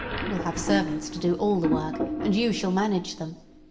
We'll have servants to do all the work, and you shall manage them.